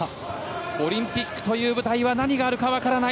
オリンピックという舞台は何があるか、わからない。